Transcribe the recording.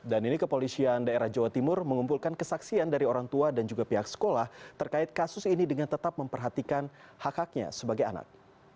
dan ini kepolisian daerah jawa timur mengumpulkan kesaksian dari orang tua dan juga pihak sekolah terkait kasus ini dengan tetap memperhatikan hak haknya sebagai anak